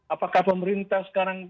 apakah pemerintah sekarang